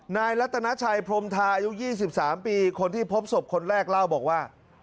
นายรัตนาชัยพรมทาอายุ๒๓ปีคนที่พบศพคนแรกเล่าบอกว่า